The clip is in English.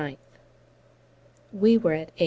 9th. We were at H.